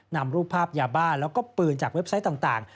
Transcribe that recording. นำรูปภาพยาบ้าแล้วก็ปืนจากเว็บไซต์ต่าง